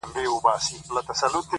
د هغه ږغ د هر چا زړه خپلوي ـ